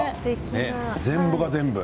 全部が全部。